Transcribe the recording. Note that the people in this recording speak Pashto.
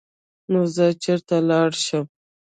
نو زۀ چرته لاړ شم ـ